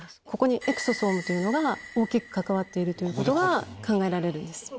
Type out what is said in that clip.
ここにエクソソームというのが大きく関わっているということが考えられるんです。